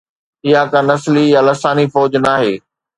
اها ڪا نسلي يا لساني فوج ناهي.